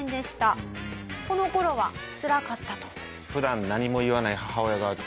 この頃はつらかったと。